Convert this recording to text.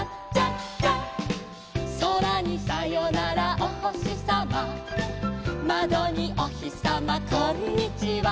「そらにさよならおほしさま」「まどにおひさまこんにちは」